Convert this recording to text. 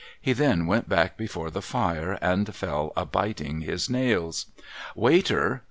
He then went back before the fire, and fell a biting his nails. ' Waiter